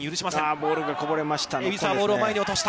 ボールがこぼれました。